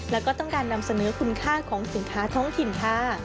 แล้วก็ต้องการนำเสนอคุณค่าของสินค้าท้องถิ่นค่ะ